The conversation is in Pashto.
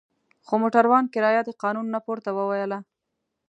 خو موټروان کرایه د قانون نه پورته وویله.